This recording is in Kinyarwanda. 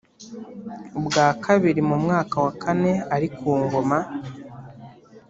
ukwa kabiri mu mwaka wa kane ari ku ngoma